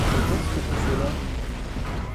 Qu’était-ce que tout cela?